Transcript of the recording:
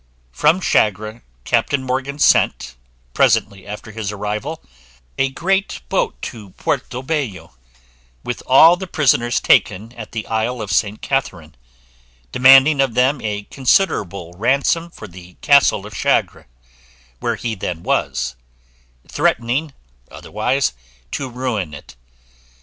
From Chagre, Captain Morgan sent, presently after his arrival, a great boat to Puerto Bello, with all the prisoners taken at the isle of St. Catherine, demanding of them a considerable ransom for the castle of Chagre, where he then was; threatening otherwise to ruin it.